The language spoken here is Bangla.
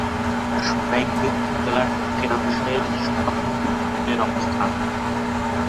সোনাইমুড়ি উপজেলার দক্ষিণাংশে সোনাপুর ইউনিয়নের অবস্থান।